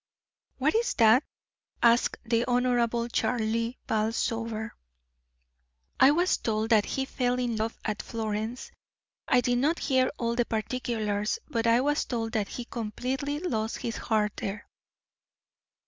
"What is that?" asked the Honorable Charlie Balsover. "I was told that he fell in love at Florence. I did not hear all the particulars, but I was told that he completely lost his heart there."